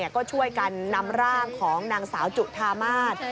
ก็ช่วยกันนำร่างของนางสาวจุธามาศ